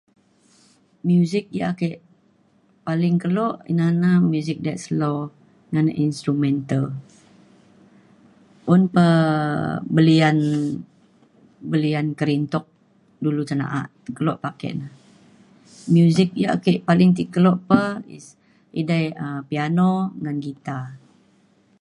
musik ya' ake paling keluk na ne musik ya slow ngan instrumental. un pe belian belian kerintuk dulu cen na'a, keluk pe ake na. musik ya ake paling ti keluk pe is edai um piano ngan gitar.